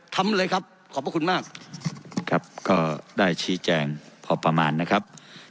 ทำเลยครับขอบพระคุณมากครับก็ได้ชี้แจงพอประมาณนะครับ